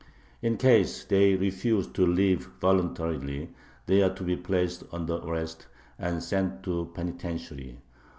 In case they refuse to leave voluntarily, they are to be placed under arrest, and sent to a penitentiary.